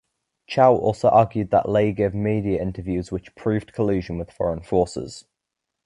Chau also argued that Lai gave media interviews which "proved" collusion with foreign forces.